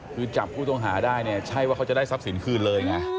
คือจับผู้ต้องหาได้เนี่ยใช่ว่าเขาจะได้ทรัพย์สินคืนเลยไง